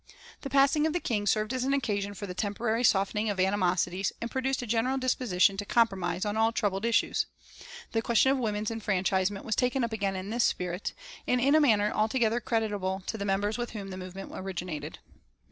The passing of the King served as an occasion for the temporary softening of animosities and produced a general disposition to compromise on all troubled issues. The question of women's enfranchisement was taken up again in this spirit, and in a manner altogether creditable to the members with whom the movement originated.